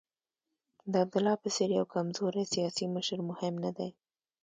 د عبدالله په څېر یو کمزوری سیاسي مشر مهم نه دی.